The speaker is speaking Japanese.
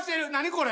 これ。